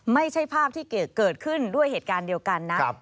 ไม่ใช่ภาพที่เกิดขึ้นด้วยเหตุการณ์เดียวกันนะ